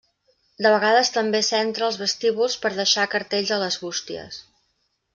De vegades també s'entra als vestíbuls per deixar cartells a les bústies.